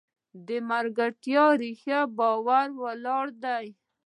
د ملګرتیا ریښه په باور ولاړه ده.